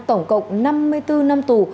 tổng cộng năm mươi bốn năm tù